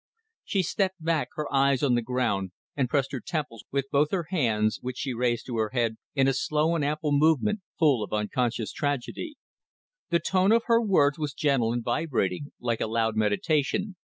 She stepped back, her eyes on the ground, and pressed her temples with both her hands, which she raised to her head in a slow and ample movement full of unconscious tragedy. The tone of her words was gentle and vibrating, like a loud meditation.